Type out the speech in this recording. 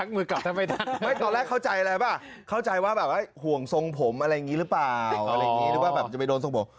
หรือเปล่าอะไรอย่างนี้หรือว่าจะไปโดนส่งผม